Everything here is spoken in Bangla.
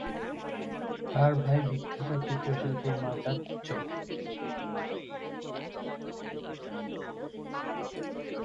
তার ভাই বিখ্যাত চিত্রশিল্পী মাজাৎচো।